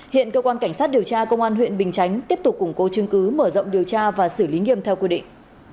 hiện cơ quan cảnh sát điều tra công an huyện bình chánh tiếp tục củng cố chứng cứ mở rộng điều tra và xử lý nghiêm theo quy định